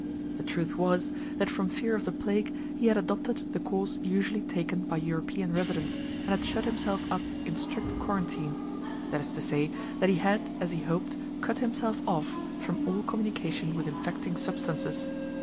The truth was, that from fear of the plague he had adopted the course usually taken by European residents, and had shut himself up "in strict quarantine"—that is to say, that he had, as he hoped, cut himself off from all communication with infecting substances.